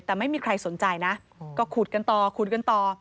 แต่ไม่มีใครสนใจนะก็ขุดกันต่อขุดกันต่อ